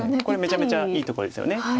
これめちゃめちゃいいところですよね。